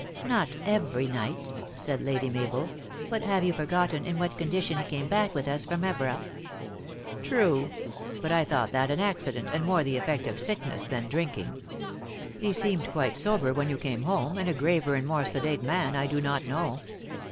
"Not every night!" said Lady Mabel. " But have you forgotten in what condition he came back with us from Evora?" "True. But I thought that an accident, and more the effect of sickness than drinking. He seemed quite sober when 3 011 came home, and a graver and more sedate man I do not know."